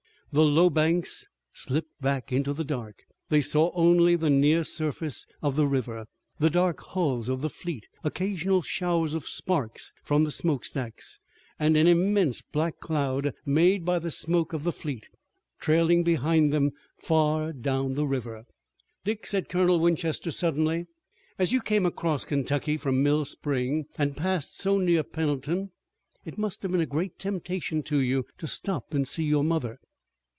The low banks slipped back into the dark. They saw only the near surface of the river, the dark hulls of the fleet, occasional showers of sparks from smoke stacks, and an immense black cloud made by the smoke of the fleet, trailing behind them far down the river. "Dick," said Colonel Winchester suddenly, "as you came across Kentucky from Mill Spring, and passed so near Pendleton it must have been a great temptation to you to stop and see your mother."